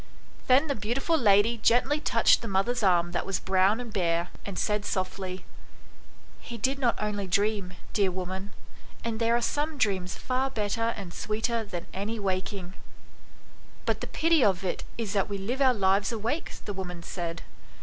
Then the beautiful lady gently touched the mother's arm that was brown and bare, and said softly " He did not only dream, dear woman, and there are some dreams far better and sweeter than any waking." "But the pity of it is that we live our lives awake," the woman said.